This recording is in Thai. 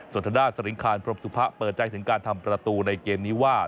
ส่วนทางด้านสริงคารพรมสุภะเปิดใจถึงการทำประตูในเกมนี้ว่า